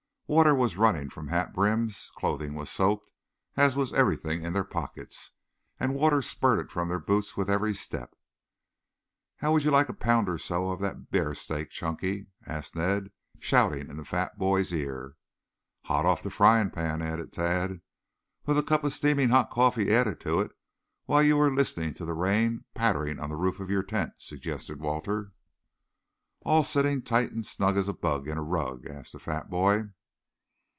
Water was running from hat brims, clothing was soaked as was everything in their pockets, and water spurted from their boots with every step. "How would you like a pound or so of that bear steak, Chunky?" asked Ned, shouting in the fat boy's ear. "Hot off the frying pan," added Tad. "With a cup of steaming hot coffee added to it, while you were listening to the rain pattering on the roof of your tent," suggested Walter. "All sitting tight and snug as a bug in a rug?" asked the fat boy.